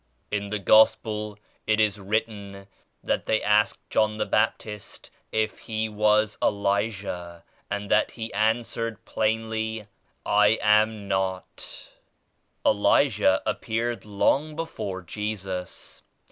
In the Gospel it is written that they asked John the Baptist if he was Elijah and that he answered plainly *I am not' Elijah appeared long before Jesus.